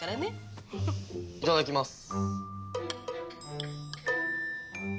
いただきます。